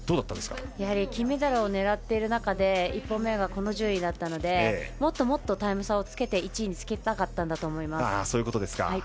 やはり金メダルを狙っている中で１本目がこの順位だったのでもっともっとタイム差をつけて１位につけたかったんだと思います。